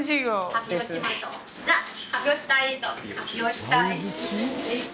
発表したい。